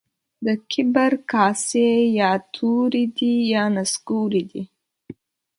د کبر کاسې يا توري دي يا نسکوري دي.